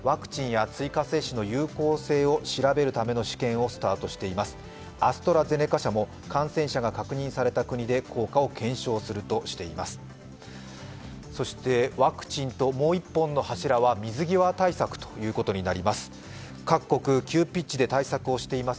アストラゼネカ社も感染者が確認された国で効果を検証するとしています。